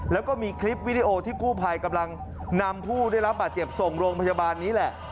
แล้วก็มีคลิปวิดีโอที่กู้ภัยกำลังนำผู้ได้รับบาดเจ็บส่งโรงพยาบาลนี้แหละ